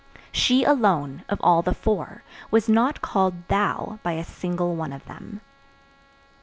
She alone, of all the four, was not called "thou" by a single one of them.